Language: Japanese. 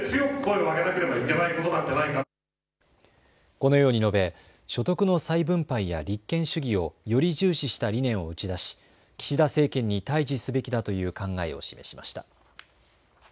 このように述べ所得の再分配や立憲主義をより重視した理念を打ち出し岸田政権に対じすべきだという考えを示しました。